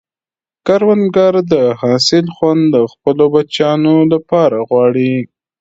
کروندګر د حاصل خوند د خپلو بچیانو لپاره غواړي